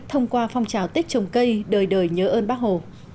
thông qua phong trào tết trồng cây đời đời nhớ ơn bác hồ